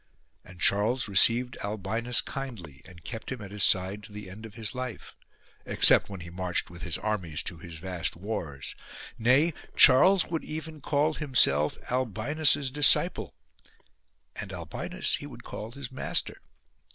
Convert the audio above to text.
And Charles received Albinus kindly and kept him at his side to the end of his life, except when he marched with his armies to his vast wars : nay, Charles would even call himself Albinus's disciple ; and Albinus he would call his master.